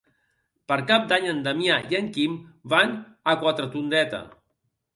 Per Cap d'Any en Damià i en Quim van a Quatretondeta.